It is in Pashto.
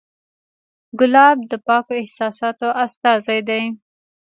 ګلاب د پاکو احساساتو استازی دی.